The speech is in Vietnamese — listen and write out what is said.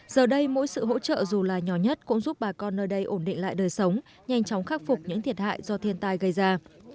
giờ đây mỗi sự hỗ trợ dù là nhỏ nhất cũng giúp bà con nơi đây ổn định lại đời sống nhanh chóng khắc phục những thiệt hại do thiên tai gây ra